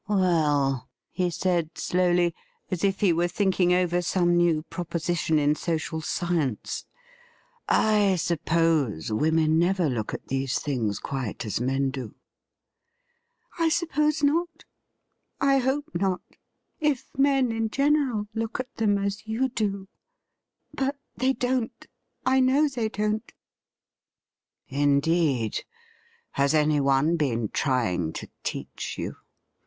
' Well,' he said slowly, as if he were thinking over some new proposition in social science, ' I suppose women never look at these things quite as men do.' ' I suppose not. I hope not — if men in general look at them as you do. But they don't — I know they don't.' ' Indeed ! has anyone been trying to teach you